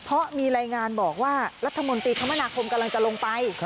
เพราะมีรายงานบอกว่ารัฐมนตรีคมนาคมกำลังจะลงไป